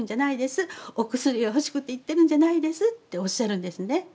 お薬が欲しくて言ってるんじゃないですっておっしゃるんですね。